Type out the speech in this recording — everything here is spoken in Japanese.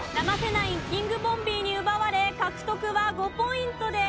ナインキングボンビーに奪われ獲得は５ポイントです。